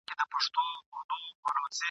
په داسي حال کي چي ..